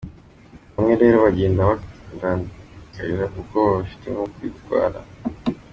Bamwe rero bagenda bandakarira kuko babifata nko kwirata.